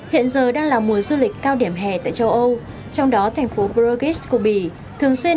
hiện giờ đang là mùa du lịch cao điểm hè tại châu âu trong đó thành phố brugis của bỉ thường xuyên